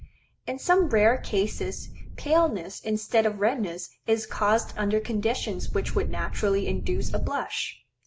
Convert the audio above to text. In some rare cases paleness instead of redness is caused under conditions which would naturally induce a blush.